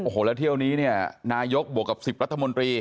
โอ้โหแล้วเที่ยวนี้เนี่ยนายกบวกกับ๑๐รัฐมนตรี